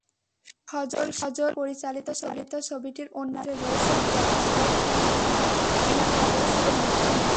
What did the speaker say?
সজল শাহ পরিচালিত ছবিটির অন্যান্য চরিত্রে রয়েছেন জ্যাকি শ্রফ, প্রিয়াঙ্কা বোস প্রমুখ।